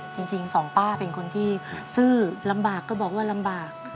จริงสองป้าเป็นคนที่ซื่อลำบากก็บอกว่าลำบาก